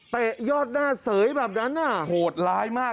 ยอดหน้าเสยแบบนั้นอ่ะโหดร้ายมาก